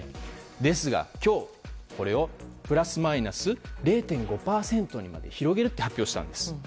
ですが、今日、これをプラスマイナス０．５％にまで広げると発表したんです。